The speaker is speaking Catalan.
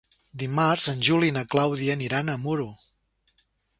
Dimarts en Juli i na Clàudia aniran a Muro.